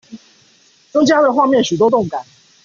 增加了畫面許多動感